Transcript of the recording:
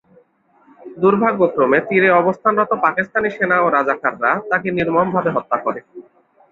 দুর্ভাগ্যক্রমে তীরে অবস্থানরত পাকিস্তানি সেনা ও রাজাকাররা তাঁকে নির্মমভাবে হত্যা করে।